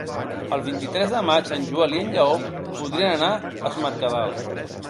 El vint-i-tres de maig en Joel i en Lleó voldrien anar a Es Mercadal.